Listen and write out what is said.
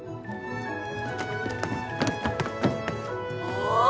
お！